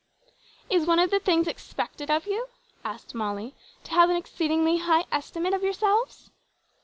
"Is one of the things expected of you," asked Molly, "to have an exceedingly high estimate of yourselves?"